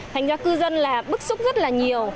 thành ra cư dân là bức xúc rất là nhiều